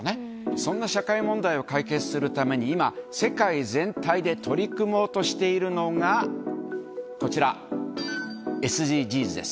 そんな社会問題を解決するために、今、世界全体で取り組もうとしているのが、こちら、ＳＤＧｓです。